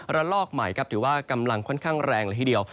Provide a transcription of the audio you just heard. ระลอกใหม่ครับถือว่ากำลังค่อนข้างแรงละทีเดียว